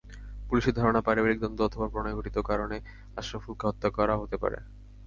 পুলিশের ধারণা, পারিবারিক দ্বন্দ্ব অথবা প্রণয়ঘটিত কারণে আশরাফুলকে হত্যা করা হতে পারে।